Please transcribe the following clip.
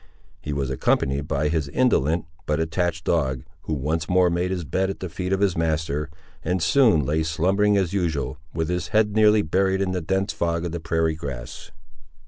He was accompanied by his indolent, but attached dog, who once more made his bed at the feet of his master, and soon lay slumbering as usual, with his head nearly buried in the dense fog of the prairie grass.